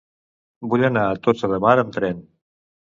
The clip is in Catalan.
Vull anar a Tossa de Mar amb tren.